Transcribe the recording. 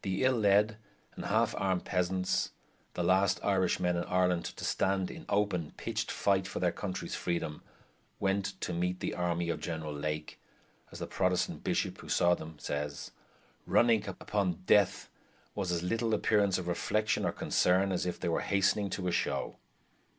The ill led and half armed peasants, the last Irishmen in Ireland to stand in open, pitched fight for their country's freedom, went to meet the army of General Lake, as the Protestant bishop who saw them says, "running upon death with as little appearance of reflection or concern as if they were hastening to a show."